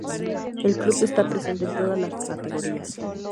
El club esta presente en todas las categorías.